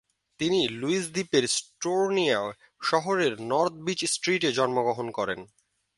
তিনি লুইস দ্বীপের স্টর্নোওয়ে শহরের নর্থ ব্রিচ স্ট্রিটে জন্মগ্রহণ করেন।